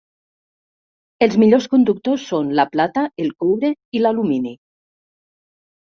Els millors conductors són: la plata, el coure i l'alumini.